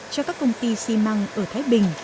cho các công ty xi măng ở thái bình